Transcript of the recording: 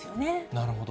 なるほど。